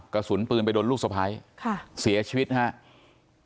กระสุนปืนไปโดนลูกสะพ้ายเสียชีวิตนะครับ